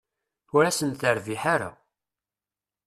Ur asen-terbiḥ ara.